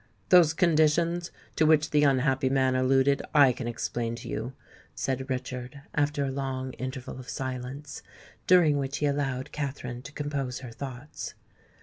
"Those conditions, to which the unhappy man alluded, I can explain to you," said Richard, after a long interval of silence, during which he allowed Katherine to compose her thoughts.